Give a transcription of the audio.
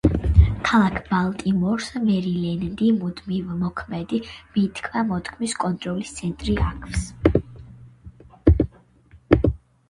ქალაქ ბალტიმორს, მერილენდი, მუდმივმოქმედი მითქმა-მოთქმის კონტროლის ცენტრი აქვს.